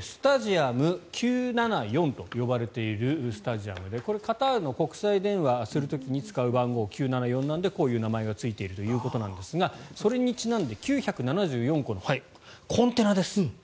スタジアム９７４と呼ばれているスタジアムでこれカタールの国際電話を使う時に９７４を使うからこういう名前なんですがそれにちなんで９７４個のコンテナです。